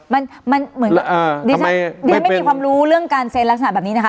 ดิฉันยังไม่มีความรู้เรื่องการเซ็นลักษณะแบบนี้นะคะ